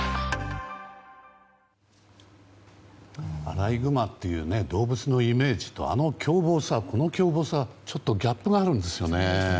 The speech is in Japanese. アライグマっていう動物のイメージとこの凶暴さ、ちょっとギャップがあるんですよね。